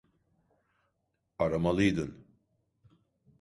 Aramalıydın.